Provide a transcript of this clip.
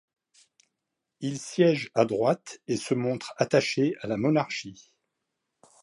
Il siège à droite et se montre attaché à la monarchie.